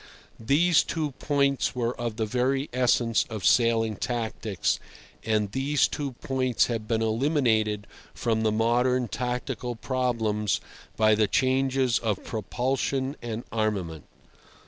These two points were of the very essence of sailing tactics, and these two points have been eliminated from the modern tactical problem by the changes of propulsion and armament.